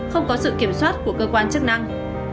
không có sự kiểm soát của cơ quan chức năng